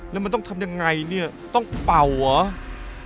แล้วมันต้องทำยังไงเนี่ยต้องเป่าเหรอ